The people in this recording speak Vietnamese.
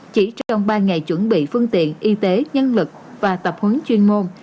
chỉ trong ba ngày chuẩn bị phương tiện y tế nhân lực và tập huấn chuyên môn